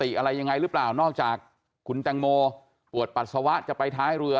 อะไรยังไงหรือเปล่านอกจากคุณแตงโมปวดปัสสาวะจะไปท้ายเรือ